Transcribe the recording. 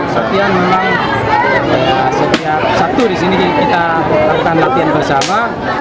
setiap sabtu di sini kita lakukan latihan bersama